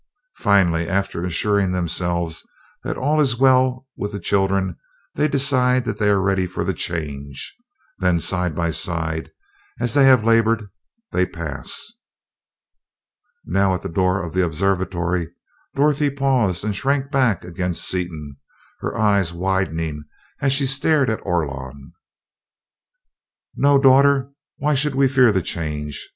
Finally, after assuring themselves that all is well with the children, they decide that they are ready for the Change. Then, side by side as they have labored, they pass." Now at the door of the observatory, Dorothy paused and shrank back against Seaton, her eyes widening as she stared at Orlon. "No, daughter, why should we fear the Change?"